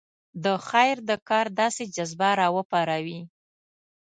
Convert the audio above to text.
د خیر د کار داسې جذبه راپاروي.